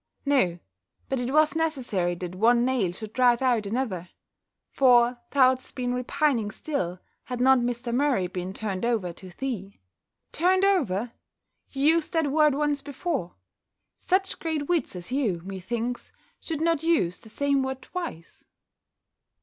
"No, but it was necessary that one nail should drive out another; for thou'dst been repining still, had not Mr. Murray been turned over to thee." "Turned over! You used that word once before: such great wits as you, methinks, should not use the same word twice."